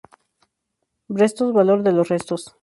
Vrestos=Valor de los restos.